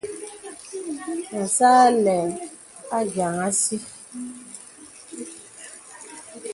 Me sà àlə̄ adiāŋ àsi.